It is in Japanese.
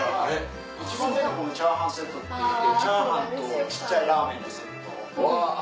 一番出るのこのチャーハンセットっていってチャーハンと小っちゃいラーメンのセット。